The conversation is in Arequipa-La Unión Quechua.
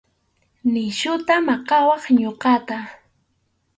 Nisyuta maqawaq ñuqata.